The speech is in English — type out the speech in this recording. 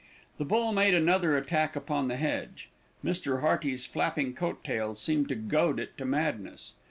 The bull made another attack upon the hedge. Mr. Hearty's flapping coat tails seemed to goad it to madness.